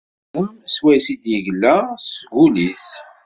Asirem swayes i d-yegla deg ul-is.